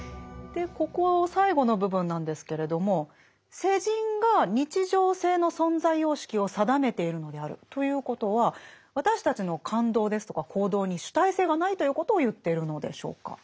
でここ最後の部分なんですけれども「世人が日常性の存在様式を定めているのである」ということは私たちの感動ですとか行動に主体性がないということを言っているのでしょうか？